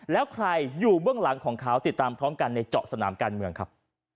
แล้วใครอยู่เบื้องหลังของเขาติดตามพร้อมกันในเจาะสนามการเมืองครับ